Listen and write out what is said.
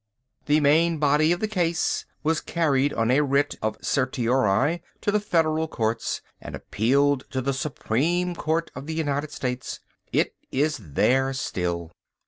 The main body of the case was carried on a writ of certiorari to the Federal Courts and appealed to the Supreme Court of the United States. It is there still.